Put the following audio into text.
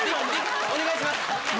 お願いします！